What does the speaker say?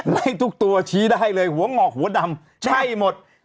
เลขทุกตัวชี้ได้เลยหัวงอกหัวดำใช่หมด